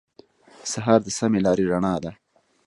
سهار د سمې لارې رڼا ده.